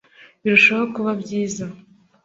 birushaho kuba byiza